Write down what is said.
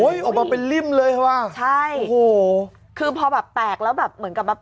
โอ้โฮออกมาเป็นริ่มเลยค่ะว่าโอ้โฮใช่คือพอแบบแตกแล้วแบบเหมือนกับแบบ